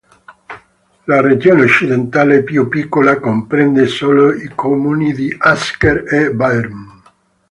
La regione occidentale, più piccola, comprende solo i comuni di Asker e Bærum.